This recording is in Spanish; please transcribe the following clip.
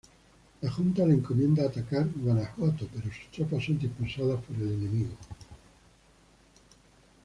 La Junta le encomienda atacar Guanajuato, pero sus tropas son dispersadas por el enemigo.